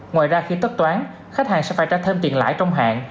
ngoài ra khi tất toán khách hàng sẽ phải trả thêm tiền lãi trong hạn